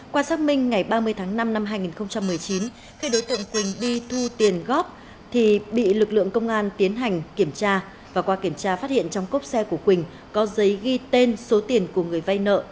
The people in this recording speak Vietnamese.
qua xác minh ngày ba mươi tháng năm năm hai nghìn một mươi chín khi đối tượng quỳnh đi thu tiền góp thì bị lực lượng công an tiến hành kiểm tra và qua kiểm tra phát hiện trong cốc xe của quỳnh có giấy ghi tên số tiền của người vay nợ